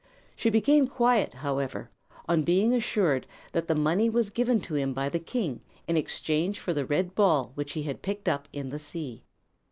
She became quiet, however, on being assured that the money was given to him by the king in exchange for the red ball which he had picked up in the sea.